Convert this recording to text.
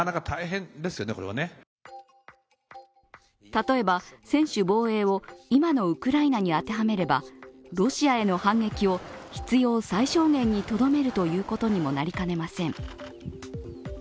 例えば専守防衛を今のウクライナに当てはめればロシアへの反撃を必要最小限にとどめるということにもなりかねません。